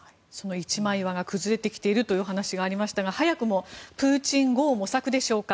一枚岩が崩れてきているというお話がありましたが早くもプーチン後を模索でしょうか。